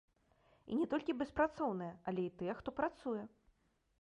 І не толькі беспрацоўныя, але і тыя, хто працуе.